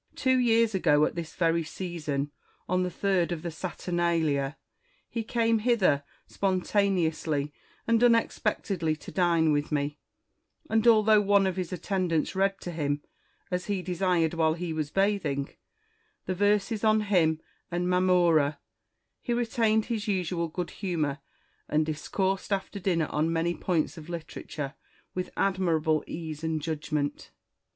Two years ago, at this very season, on the third of the Saturnalia, he came hither spontaneously and unexpectedly to dine with me ; and although one of his attendants read to him, as he desired while he was bathing, the verses on him and Mamurra, he retained his usual good humour, and discoursed after dinner on many points of literature, with admirable ease and judgment.